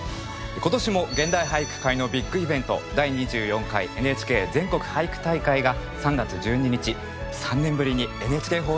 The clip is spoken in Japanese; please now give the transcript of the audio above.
今年も現代俳句会のビッグイベント第２４回ＮＨＫ全国俳句大会が３月１２日３年ぶりにＮＨＫホールで開催されました。